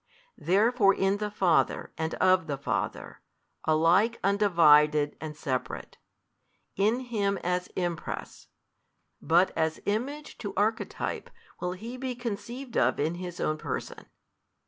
Therefore in the Father and of the Father, alike Undivided and separate, in Him as Impress, but as Image to Archetype will He be conceived of in His Own Person.